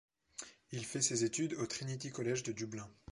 Il fait ses études au Trinity College de Dublin.